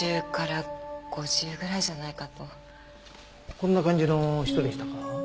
こんな感じの人でしたか？